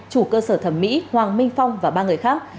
chủ cơ sở thẩm mỹ hoàng minh phong và ba người khác